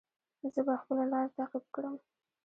زه به خپله لاره تعقیب کړم.